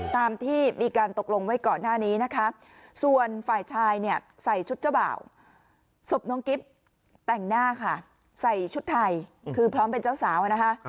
ตามที่มีการตกลงไว้ก่อนหน้านี้นะคะส่วนฝ่ายชายเนี่ยใส่ชุดเจ้าบ่าวศพน้องกิ๊บแต่งหน้าค่ะใส่ชุดไทยคือพร้อมเป็นเจ้าสาวนะคะ